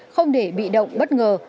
không để bị động bất ngờ